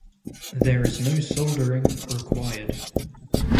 There is no soldering required.